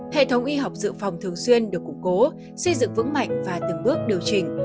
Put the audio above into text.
hệ thống y học dự phòng thường xuyên được củng cố xây dựng vững mạnh và từng bước điều chỉnh